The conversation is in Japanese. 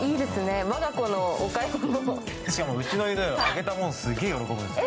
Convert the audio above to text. しかもうちの犬、あげたものすげえ喜ぶんです。